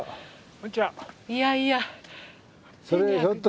いやいや。